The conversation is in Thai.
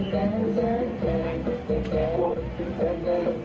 กรุงการให้เพ๒๐๒๓นอกจะหลอด